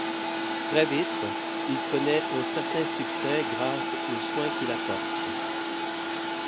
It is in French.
Très vite, il connait un certain succès grâce aux soins qu'il apporte.